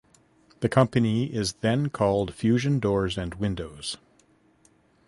The company is then called Fusion doors and windows.